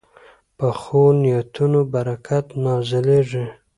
پخو نیتونو برکت نازلېږي